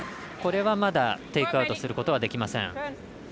これはまだテイクアウトすることはできません。